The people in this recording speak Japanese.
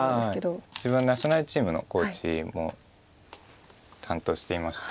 自分ナショナルチームのコーチも担当していまして。